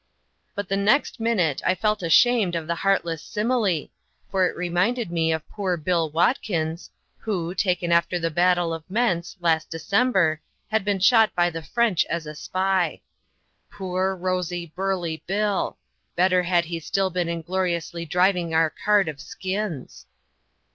But the next minute I felt ashamed of the heartless simile, for it reminded me of poor Bill Watkins, who, taken after the battle of Mentz, last December, had been shot by the French as a spy. Poor, rosy, burly Bill! better had he still been ingloriously driving our cart of skins.